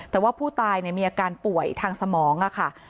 แต่ว่าผู้ตายมีอาการป่วยทางสมองค่ะ